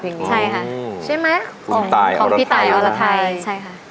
ใช่ค่ะใช่ไหมของตายของพี่ตายอรไทยใช่ค่ะ